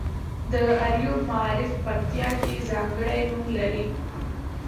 د اریوب معارف پکتیا کې ځانګړی نوم لري.